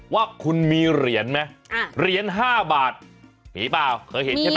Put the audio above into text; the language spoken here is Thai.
ว่าคุณมีเหรียญไหมเหรียญ๕บาทมีเปล่าเคยเห็นใช่ไหม